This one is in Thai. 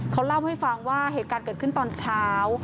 เขาเล่าให้ฟังว่าเหตุการณ์เกิดขึ้นตอนเช้า